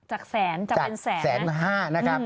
จากแสนจากแสน๕๐๐๐นะฮะ